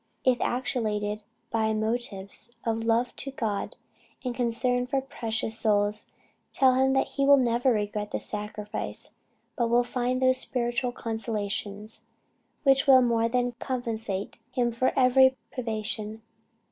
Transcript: If actuated by motives of love to God, and concern for precious souls, tell him he will never regret the sacrifice, but will find those spiritual consolations which will more than compensate him for every privation.